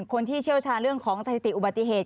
เชี่ยวชาญเรื่องของสถิติอุบัติเหตุ